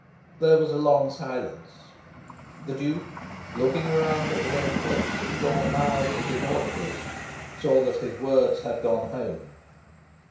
There was a long silence. The Duke, looking around at the bent heads and drawn mouths of his auditors, saw that his words had gone home.